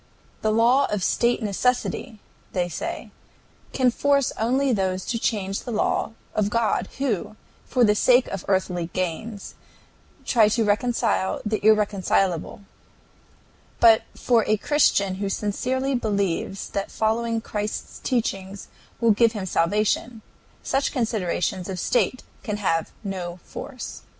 "The law of state necessity," they say, "can force only those to change the law of God who, for the sake of earthly gains, try to reconcile the irreconcilable; but for a Christian who sincerely believes that following Christ's teaching will give him salvation, such considerations of state can have no force."